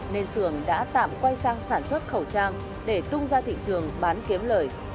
nên sườn đã tạm quay sang sản xuất khẩu trang để tung ra thị trường bán kiếm lời